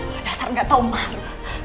pada saat gak tau malu